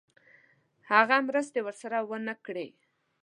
هغه مرستې ورسره ونه کړې.